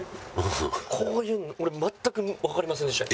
こういうの俺全くわかりませんでした